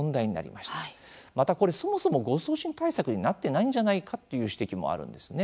また、そもそも誤送信対策にはなってないんじゃないかという指摘もあるんですね。